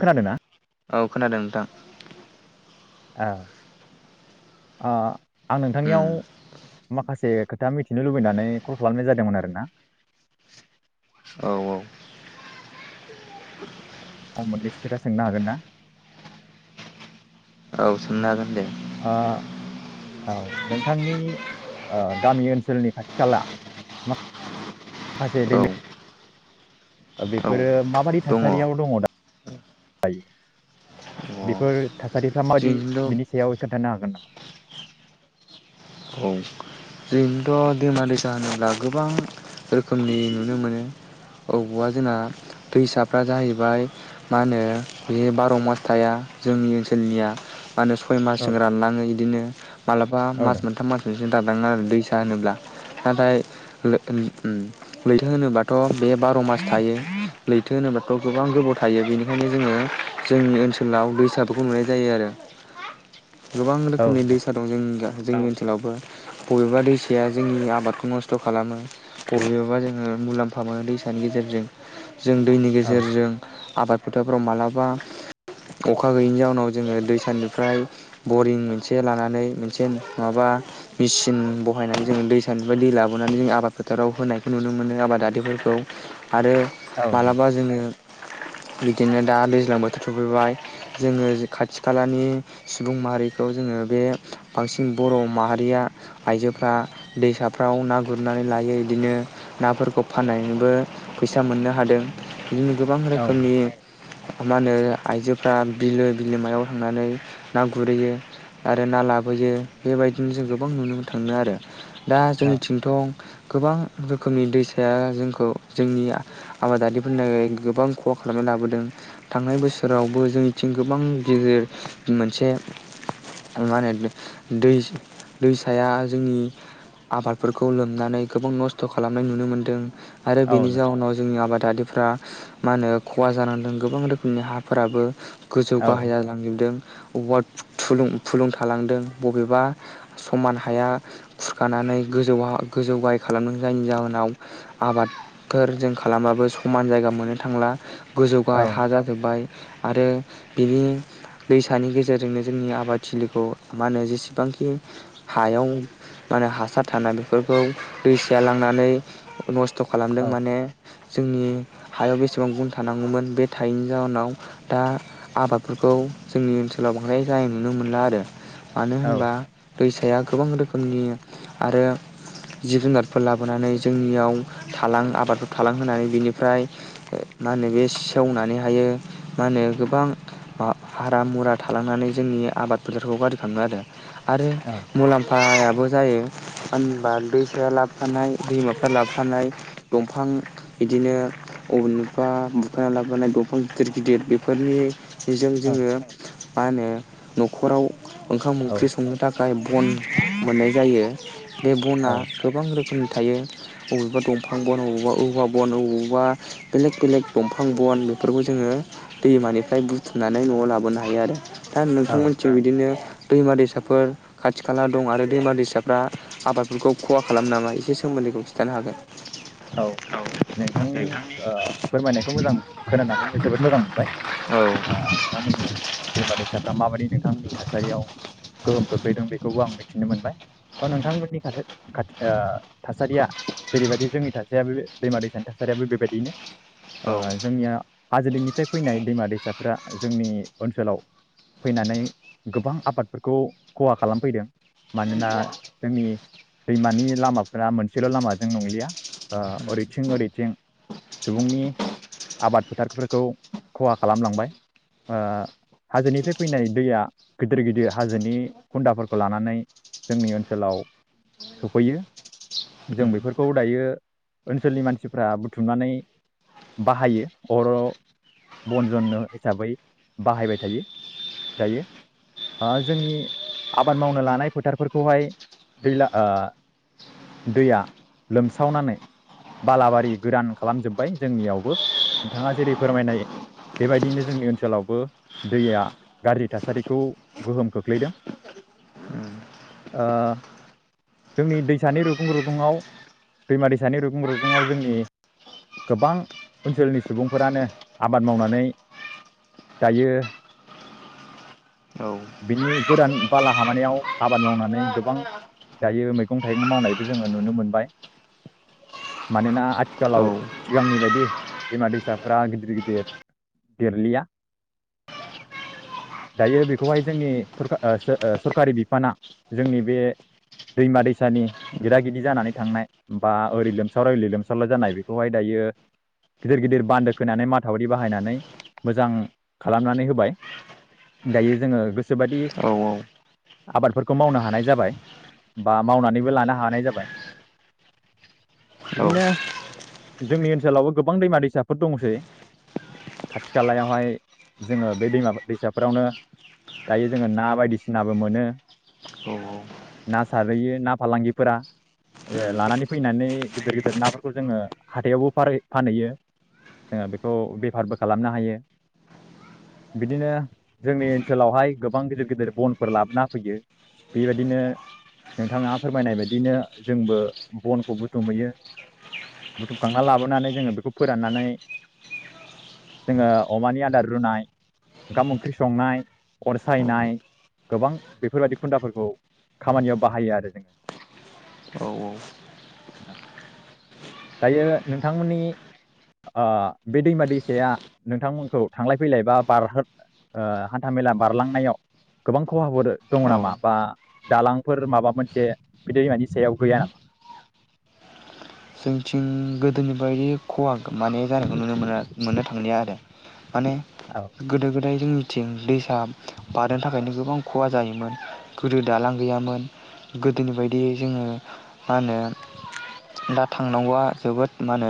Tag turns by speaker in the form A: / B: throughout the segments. A: खोनादों ना?
B: औ खोनादों नोंथां।
A: औ अ आं
B: उम
A: नोंथांनियाव माखासे खोथा मिथिनो लुबैनानै कल खालामनाय जादोंमोन आरोना
B: औ
A: औ मोननैसो खोथा सोंनो हागोन ना?
B: औ सोंनो हागोन दे।
A: ओ औ नोंथांनि ओ‌ गामि ओनसोलनि खाथि खाला मा खासे
B: औ
A: दैमा
B: औ
A: बेफोरो माबाददि थासारियाव दङ दा। [unintelligible] बेफोर थासारिफ्रा माबायदि बिनि
B: जोंनिथिंथ'
A: सायाव खोन्थानो हागोन नामा।
B: थ दैमा दैसा होनोब्ला गोबां रोखोमनि नुनो मोनो अबवबा जोंना दैसाफ्रा जाहैबाय मा होनो बे बार मास थाया जोंनि ओनसोलनिया। मा होनो सय
A: औ
B: मासजों रानलाङो इदिनो। [unintelligible] मालाबा
A: औ
B: मास
A: नंगौ
B: मोनथाम मास मोन दाबलाङो आरो दै दानोब्ला नाथाय [unintelligible] लैथो होनोब्लाथ बे बार मास थायो लैथो होनोब्लााथ गोबां गोबाव थायो बेनिखायनो जोङो जोंनि ओनसोलाव दैसाफोरखौ नुनाय जायो आरो। गोबां
A: औ
B: रोखोमनि
A: नंगौ
B: दैसा दं जोंनिगा जोंनि लावबो बबेबा दै साया जोंनि आबादखौ नस्थ खालामो बबेयालबा जोङो मुलाम्फा मोनो दैसानि गेजेरजों। जों दैनि
A: औ
B: गेजेरजों आबाद फोथारफ्राव मालाबा अखा गैयिनि जाउनाव जोङो दै सानिफ्राय बरिं मोनसे लानानै मोनसे माबा मिचिन बहायनानै जोङो दैसानिफ्राय दै लाबोनानै जों आबाद फोथाराव होनायखौ नुनो मोनो आबादारिफोरखौ आरो
A: औ नंगौ
B: मालाबा जोङो बिदिनो दा दैज्लां बोथोर सफैबाय जोङो खाथि खालानि सुबुं माहारिखौ जोङो बे बांसिन बर' माहारिया आइजो फ्रा दैसाफ्राव ना गुरनानै लायो बिदिनो नाफोरखौ फाननानैबो फैसा मोननो हादों बिदिनो गोबां
A: औ
B: रोखोमनि
A: नंगौ
B: मा होनो आइजोफ्रा बिलो बिलोमायाव थांनानै ना गुरहैयो आरो ना लाबोयो बेबायदिनो जों गोबां नुनो मोनो मोनो आरो। दा
A: औ
B: जोंनिथिंथ गोबां। रोखोमनि दैसाया जोंखौ जोंनि आबादारिफोरनि थाखाय गोबां खहा खालामनानै लाबोदों थांनाय बोसोरावबो जोंनिथिं गोबां गिदिर मोनसे मा होनो दै दैसा या जोंनि आबादफोरखौ लोमनानै गोबां नस्थ खालामनाय नुनो मोनदों आरो
A: औ
B: बेनि
A: नंगौ
B: जाउनाव जोंनि आबादारि फ्रा मा होनो खहा जाना नैदों गोबां रोखोमनि हाफोराबो गोजौ
A: औ
B: गाहाय जालांजोबदों अबावबा थुलुं फुलुं थालांदों बबेबा स समान हाया खुरखानानै गोजौ हा गोजौ गाहाय खालामदों जायनि जाहोनाव आबादफोर जों खालामबाबो समान जायगा मोननो थांला गोजौ
A: औ
B: गाहाय हा जाजोब्बाय आरो बिनि दैसानि गेजेरजोंनो जोंनि आबादथिलिखौ मा होनो जेसेबांखि हायाव मा होनो हासार थाना बेफोरखौ दैसाया लांनानै नस्थ स्थ खालामदों माने जोंनि हायाव बेसेबां गुन थानांगौमोन बे थायैनि जाउनाव दा आबादफोरखौ जोंनि ओनसोलाव बांद्राय जानाय नुनो मोनला आरो। मानो
A: औ
B: होनबा दैसा। साया गोबां रोखोमनि आरो जिब जुनारफोर लाबोनानै जोंनियाव थालां आबादफोर थालां होनानै बेनिफ्राय मा होनो बे सेवनानै हायो मा होनो गोबां हा हारा मुरा थालांनानै जोंनि आबाद फोथारखौ गारजि खामो आरो आरो।
A: औ
B: मुलाम्फायाबो जायो होनबा दैसाया लाबफानाय दैमाफ्रा लाबफानाय दंफां बिदिनो अबेनिबा बुखाना लाबोफानाय दंफां गिदिर गिदिर बेफोरनि बेजों जोङो मा होनो न'खराव ओंखाम ओंख्रि संनो थाखाय बन मोननाय जायो। बे बनआ
A: औ
B: गोबां रोखोमनि थायो अबेबा दंफां बन बबेबा औवा बन अबावबा बेलेग बेलेग दंफां बन बेफोरखौ जोङो दैमानिफ्राय बुथुमनानै न'आव लाबोनो हायो आरो दा
A: औ
B: नोंथांमोनथिं बिदिनो दैमा दैसाफोर खाथि खाला दं आरो दैमा दैसाफ्रा आबादफोरखौ खहा खालामो नामा एसे सोमोन्दैखौ खिथानो हागोन।
A: औ नोंथांनि ओ फोरमायनायखौ मोजां खोनानानै जोबोद मोजां मोनबाय
B: हागोन
A: ओ नोंथांमोननि दैमा दैसाफ्रा माबायदि नोंथांमोननि थासारियाव गोहोम खोख्लैदों बेखौबो आं मिथिनो मोनबाय थ' नोंथांमोननि [unintelligible] थासारिया जेरैबायदि जोंनि थासारिया दैमा दैसानि थासारियाबो बेबायदिनो
B: औ
A: ओ जोंनिया हाजोनिफ्राय फैनाय दैमा दैसाफ्रा जोंनि ओनसोलाव फैनानै गोबां आबादफोरखौ खहा खालामफैदों मानोना जोंनि दैमानि लामाफ्रा मोनसेल' लामाजों नंलिया ओ ओरैथिं ओरैथिं सुबुंनि आबाद फोथारफोरखौ खहा खालामलांबाय ओ हाजोनिफ्राय फैनाय दैया गिदिर गिदिर हाजोनि खुन्दाफोरखौ लानानै जोंनि ओनसोलाव सौफैयो जों बेफोरखौ दायो ओनसोलनि मानसिफ्रा बुथुमनानै बाहायो अर बन जनो हिसाबै बाहायबाय थायो दायो ओ जोंनि आबाद मावनो लानाय फोथारफोरखौहाय दै ला ओ दैया लोम सावनानै बालाबारि गोदान खालामजोब्बाय जोंनियावबो नोंथाङा जेरै- फोरमायनाय बेबायदिनो जोंनि ओनसोलावबो दैया गाज्रि थासारिखौ गोहोम खोख्लैदों ओ जोंनि दैसानि रुगुं रुगुडाव दैमा दैसानि रुगुं रुगुंआव जोंनि गोबां ओनसोलनि सुबुंफोरानो आबाद मावनानै जायो। बिनि गोरान बाला हामानिआव आबाद मावनानै गोबां दायो मैगं थाइगं मावनायबो जोङो नुनो मोनबाय मानोना
B: औ
A: आथिखालाव
B: उम
A: सिगांनि बायदि दैमा दैसाफोरा गिदिर गिदिर देरलिया दायो बे खौहाय जोंनि सरका ओ सरकारि बिफाना जोंनि बे दैमा दैसानि गिदा गिदि जानानै थांनाय बा ओरै लोमसारलाय लोमसावलाय जानाय बेखौहाय दायो गिदिर गिदिर बान्दो खोनानै माथावरि बाहायनानै मोजां खालामनानै होबाय दायो जोङो गोसोबायदि
B: औ
A: आबादफोरखौ मावनो हानाय जाबाय बा मावनानैबो लानो हानाय जाबाय
B: औ
A: बिदिनो जोंनि ओनसोलावबो गोबां दैमा दैसाफोर दंसै खाथि खालायावहाय जोङो बे दैमा दैसाफोरावनो दायो जोङो ना बायदिसिनाबो मोनो ना सारहैयो ना फालांगिफोरा ओ लानानै फैनानै गिदिर गिदिर नाफोरखौ जोङो हाथायावबो फार फानहैयो जोङो बेखौ बेफारबो खालामनो हायो। बिदिनो जोंनि ओनसोलावहाय गोबां गिदिर गिदिर बनफोर लाबोना होफैयो बेबायदिनो नोंथाङा फोरमायनाय बायदिनो जोंबो बनखौ बुथुमहैयो बुथुमखांना लाबोनानै जोङो बेखौ फोराननानै जोङो अमानि आदार रुनाय ओंखाम ओंख्रि संनाय अरसायनाय गोबां बेफोरबायदि खुन्दाफोरखौ खामानियाव बाहायो आरो जों
B: औ औ
A: दायो नोंथांमोननि ओ बे दैमा दैसाया नोंथांमोनखौ थांलाय फैलाय बा बारहो ओ हा हान्था मेला बारलांनायाव गोबां खहाफोर दङ
B: औ
A: नामा बा दालांफोर माबा मोनसे बि दैमानि सायाव गैया नामा?
B: जोंथिं गोदोनि बायदि खहा माने जानायखौ नुनो मोना मोननो थांलिया आरो माने
A: औ
B: गोदो गोदाय जोंनि थिं दैसा बारनो थाखायनो गोबां खहा जायोमोन गोदो दालां गैयामोन गोदोनि बायदियै जोङो मा होनो दा थांनांगौआ जोबोद मानो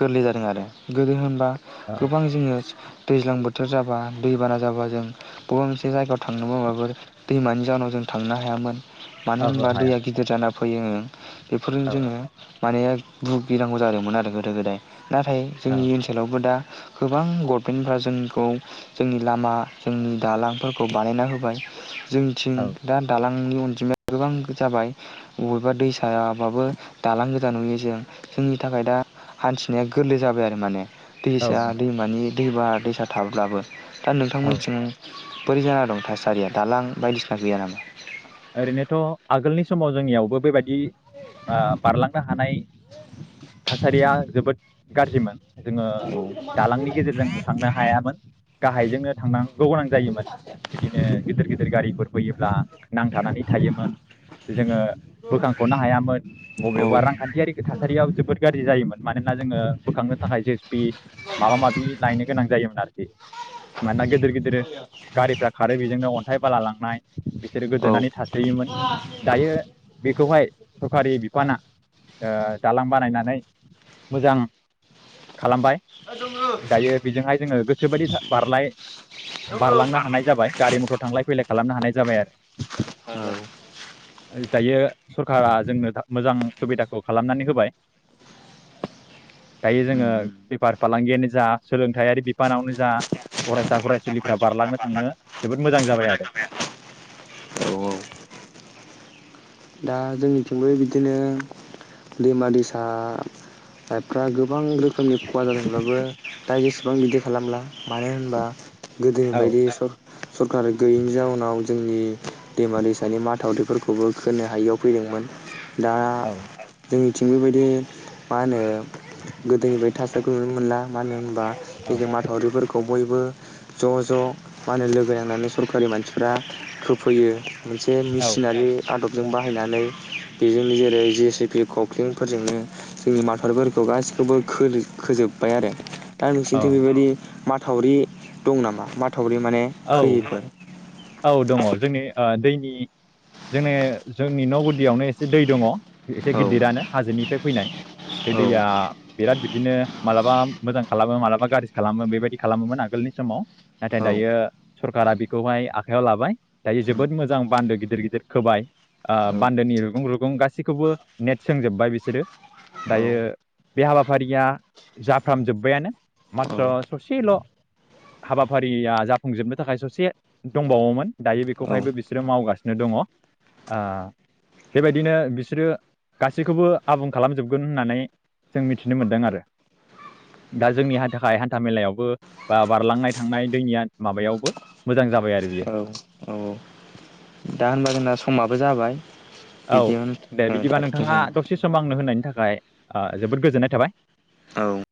B: गोरलै जादों आरो गोदो होनबा
A: औ
B: गोबां जोङो दैज्लां बोथोर जाबा दैबाना जाबा जों बबा मोनसे जायगायाव थांनोबा माबाफोर दैमानि जाउनाव जों थांनो हायामोन। मानो
A: ओहो
B: होनबा
A: हाया
B: दैआ गिदिर जाना फैयो ओं बेफोरजों
A: औ
B: जोङो माने भुगिनांगौ जादोंमोन आरो गोदो गोदाय नाथाय जोंनि
A: औ
B: ओनसोलावबो दा गोबां गभमेन्टफोरा जोंखौ जोंनि लामा जोंनि दालांफोरखौ बानायना होबाय जोंनिथिं
A: औ
B: दा दालां [unintelligible] अनजिमाया गोबां जाबाय अबेबा दैसायाबाबो दालां गोजा नुयो जों जोंनि थाखाय दा हान्थिनाया गोरलै जाबाय आरो माने।
A: औ
B: दैसा
A: नंगौ
B: दैमानि दैबा-दैसा थाब्लाबो दा
A: औ
B: नोंथांमोनथिं बोरै जाना दं थासारिया दालां बायदिसिना गैया नामा?
A: ओरैनोथ' आगोलनि समाव जोंनियावबो बेबायदि आ बारलांनो हानाय थासारिया जोबोद गाज्रिमोन। जोङो
B: औ
A: दालांनि गेजेरजों थांनो हायामोन गाहायजोंनो थांनांगौ गोनां जायोमोन बिदिनो गिदिर गिदिर गारिफोर फैयोब्ला नांथानानै थायोमोन जोङो बोखांख'नो हायामोन बबेबा रांखान्थियारि थासारियाव जोबोद गाज्रि जायोमोन मानोना जोङो बोखांनो जि एस पि माबा माबि लायनो गोनां जायोमोन आरखि मानोना गिदिर गारिफ्रा खारो बेजोंनो अन्थाइ बाला लांनाय बिज
B: औ
A: गोदोनानै थासोयोमोन दायो बेखौहाय सरखारि बिफाना ओ दालांबा नायनानै मोजां खालामबाय। दायो बेजोंहाय जोङो गोस सोबायदि था बारलाय बारलांनो हानाय जाबाय गारि मथर थांलाय फैलाय खालामनो हानाय जाबाय आरो। दायो सरखारा जोंनो मोजां सुबिदाखौ खालामनानै होबाय दायो
B: उम
A: जोङो
B: उम
A: बेफार फालांगियानो जा सोलोंथायारि बिफानावनो जा फरायसा फरायसुलिफ्रा बारलांनो थांनो जोबोद मोजां जाबाय आरो।
B: औ औ दा जोंनिथिंबो बिदिनो दैमा दैसा फ्रा गोब गोबां रोखोमनि खहा जादोंब्लाबो दा एसेबां बिदि खालामला मानो होनबा गोदोनि
A: औ
B: बायदि सर सरखार गैयैनि जाउनाव जोंनि दैमा दैसानि माथावरिफोरखौबो होनो हायियाव फैदोंमोन। दा
A: औ
B: जोंनि थिंबो बेबायदि मा होनो गोदोनि बायदि थासारिखौ नुनो मोनला मानो होनबा
A: औ
B: जों माथावरिफोरखौ बयबो ज' ज' मा होनो लोगो नांनानै सरखारि मानसिफ्रा होफैयो। मोनसे मेसिनारि आादबजों बाहायनानै बेजोंनो जेरै जेसिपि खख्लेंफोरजोंनो जोंनि माथाउरफोरखौ गासिखौबो खो खोजोबबाय आरो। दा
A: औ
B: नोंसोरनिथिं बेबायदि मा थावरि दं नामा? मा थावरि माने
A: औ
B: खैयिफोर।
A: औ दङ जोंनि ओ दैनि जोंनि जोंनि न' गुदियावनो एसे दै दङ एसे गिदिरानो हाजोनिफ्राय फैनाय बे दैया बिराद बिदिनो मालाबा मोजां खालामो मालाबा गाज्रि खालामो बेबायदि खालामोमोन आगोलनि समाव नाथाय
B: औ
A: दायो सरकारा बेखौहाय आखायाव लाबाय दायो जोबोद मोजां बान्दो गिदिर गिदिर खोबाय ओ बान्दोनि रुगुं रुगुं गासैखौबो नेट सोंजोब्बाय बिसोरो दायो बे हाबाफारिया जाफ्रामजोब्बायानो माथ्र
B: औ
A: ससेल' हाबाफारिया जा फुं जोबनो थाखाय ससे दंबावोमोन दायो बेखौहायबो
B: औ
A: बिसोरो मावगासिनो दङ ओ बेबायदिनो बिसोरो गासैखौबो आबुं खालामजोबगोन होननानै जों मिथिनो मोन्दों आरो दा जोंनि थाखाय हान्था मेलायावबो बा बारलांनाय थांनाय दैनिया माबायावबो मोजां जाबाय आरो बियो।
B: औ दा होनबा जोंना समाबो जाबाय।
A: औ दे
B: बिदियावनो
A: बिदिबा नोंथाङा
B: थाथ'थोंसै
A: दसे सम आंनो होनायनि थाखाय आह जोबोद गोजोननाय थाबाय।
B: औ